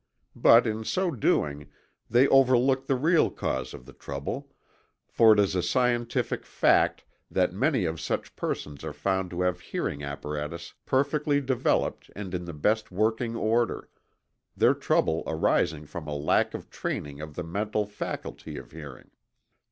But in so doing they overlook the real cause of the trouble, for it is a scientific fact that many of such persons are found to have hearing apparatus perfectly developed and in the best working order their trouble arising from a lack of training of the mental faculty of hearing.